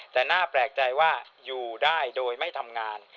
แต่น่าแปลกใจว่าอยู่ได้โดยไม่ทำงาน